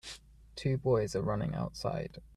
Two boys are running outside.